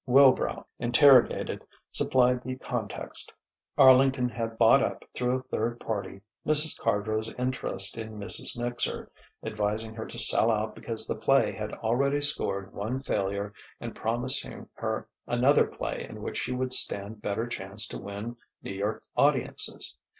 '" Wilbrow, interrogated, supplied the context. Arlington had bought up, through a third party, Mrs. Cardrow's interest in "Mrs. Mixer," advising her to sell out because the play had already scored one failure and promising her another play in which she would stand better chance to win New York audiences.